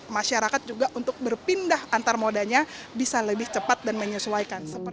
masyarakat juga untuk berpindah antar modanya bisa lebih cepat dan menyesuaikan